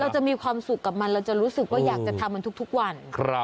จะมีความสุขกับมันเราจะรู้สึกว่าอยากจะทำมันทุกวัน